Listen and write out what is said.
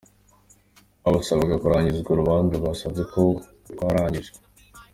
Uwasabaga kurangirizwa urubanza basanze koko rwararangijwe.